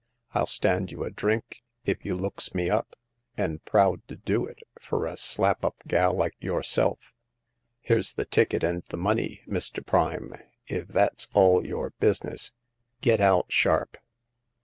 FU stand you a drink if you looks me up, and proud to do it fur a slap up gal like yourself !'*" Here's the ticket and the money, Mr. Prime If that's all your business, get out sharp